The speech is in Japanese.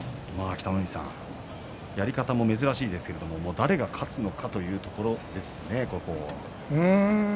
北の富士さんやり方も珍しいですけど誰が勝つのかというところですね。